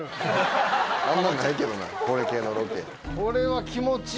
これは気持ちいい！